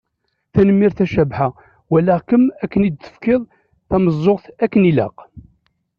Tanemmirt a Cabḥa, walaɣ-kem-id tefkiḍ-d tameẓẓuɣt akken i ilaq.